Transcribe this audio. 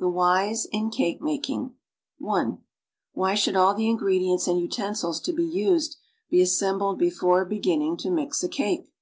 THE WHYS IN CAKE MAKING (1) Why should all the ingredients and utensils to he used he assembled be fore beginning to mix a cake?